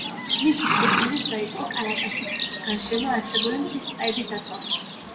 მისი შექმნით დაიწყო კარაკასის გარშემო არსებული მთის ტყეების დაცვა.